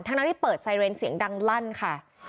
ทั้งที่เปิดไซเรนเสียงดังลั่นค่ะ